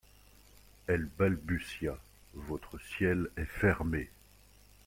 Elle balbutia : Votre ciel est fermé.